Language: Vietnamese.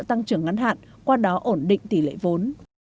tăng trưởng ngắn hạn qua đó ổn định tỷ lệ vốn